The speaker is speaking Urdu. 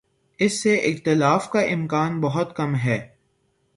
اس سے اختلاف کا امکان بہت کم ہے۔